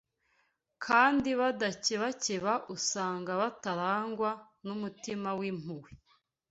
kandi badakebakeba usanga batarangwa n’umutima w’impuhwe